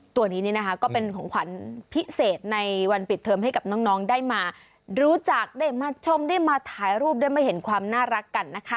ตัวนี้นี่นะคะก็เป็นของขวัญพิเศษในวันปิดเทิมให้กับน้องได้มารู้จักได้มาชมได้มาถ่ายรูปได้มาเห็นความน่ารักกันนะคะ